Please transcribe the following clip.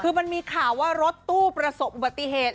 คือมันมีข่าวว่ารถตู้ประสบอุบัติเหตุ